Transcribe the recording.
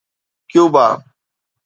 Cuba